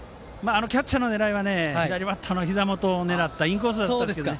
キャッチャーの狙いは左バッターのひざ元を狙ったインコースだったと思いますが。